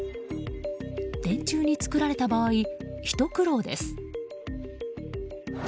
電柱に作られた場合ひと苦労です。